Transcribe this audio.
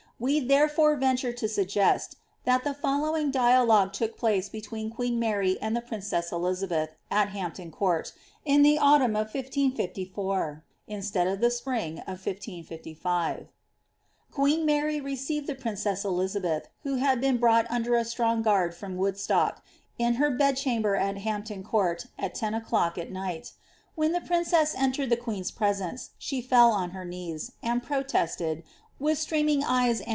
We therefore ventait to suggest that the following dialogue took place between queen Mary and the princess Elisabeth, at Hampton Court| in the autumn ' of 1554, instead of the spring of 1555. Qjueen 3Iary received the princess Eliabeth, who had been brought under a strong guard from Woodstock, in her bedchamber at Hampton Court, at ten o^clock at night When the princess entered the queen^t presrncc, she fell on her knees, and protested, with streaming eyes ant!